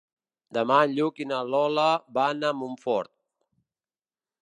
Demà en Lluc i na Lola van a Montfort.